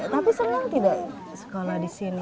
tapi senang tidak sekolah di sini